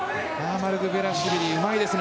マルクベラシュビリうまいですね。